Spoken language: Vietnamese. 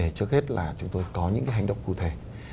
vấn đề trước hết là chúng tôi có những cái hành động cụ thể